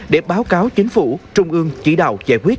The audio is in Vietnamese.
để báo cáo chính phủ trung ương chỉ đạo giải quyết